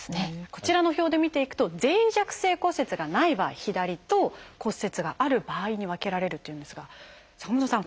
こちらの表で見ていくと脆弱性骨折がない場合左と骨折がある場合に分けられるというんですが坂本さん